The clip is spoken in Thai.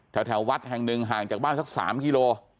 แถววัดแห่งหนึ่งห่างจากบ้านสัก๓กิโล